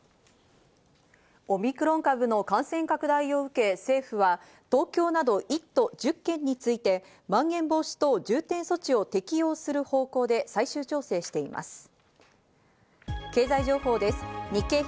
オミクロン株の感染拡大を受け政府は東京など１都１０県について、まん延防止等重点措置を適用する方向で最終調整しています。